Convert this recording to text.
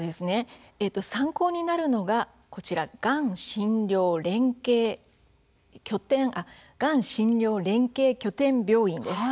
参考になるのががん診療連携拠点病院です。